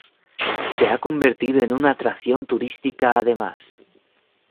Se ha convertido en una atracción turística además.